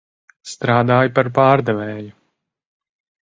Strādāju par pārdevēju.